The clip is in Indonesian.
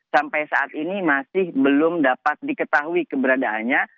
sampai saat ini masih belum dapat diketahui keberadaannya